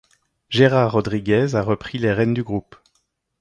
Gérard Rodriguez a repris les rênes du groupe.